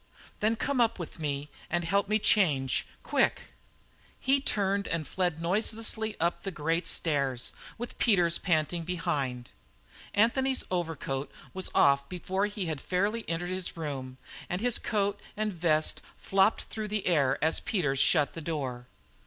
"Then come up with me and help me change. Quick!" He turned and fled noiselessly up the great stairs, with Peters panting behind. Anthony's overcoat was off before he had fairly entered his room and his coat and vest flopped through the air as Peters shut the door.